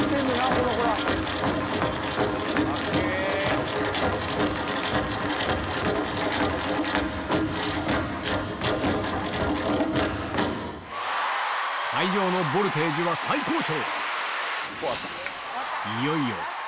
この子ら。会場のボルテージは最高潮！